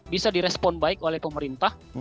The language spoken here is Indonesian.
bisa di respon baik oleh pemerintah